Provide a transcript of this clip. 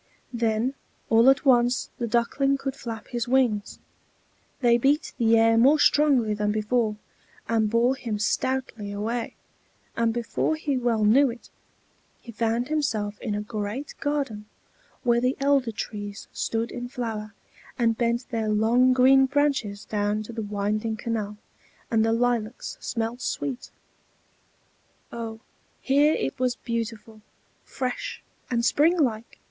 Then all at once the Duckling could flap his wings: they beat the air more strongly than before, and bore him stoutly away; and before he well knew it, he found himself in a great garden, where the elder trees stood in flower, and bent their long green branches down to the winding canal, and the lilacs smelt sweet. Oh, here it was beautiful, fresh, and springlike!